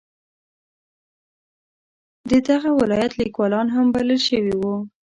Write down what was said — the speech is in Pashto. د دغه ولایت لیکوالان هم بلل شوي وو.